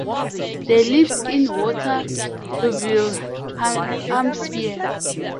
They live in Waterlooville, Hampshire.